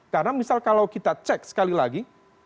karena misal kalau kita cek sekali lagi